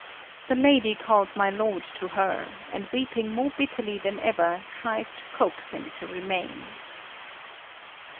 The lady calls my lord to her, and weeping more bitterly than ever, tries to coax him to remain.